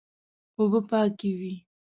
اوبه پاکوي.